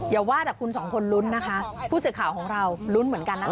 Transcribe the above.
อย่าว่าแต่คุณสองคนลุ้นนะคะผู้สื่อข่าวของเราลุ้นเหมือนกันนะคะ